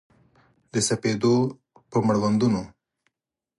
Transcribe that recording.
د سپېدو پر مړوندونو